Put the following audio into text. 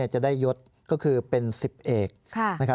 จะได้ยศก็คือเป็น๑๐เอก